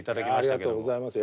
ありがとうございます。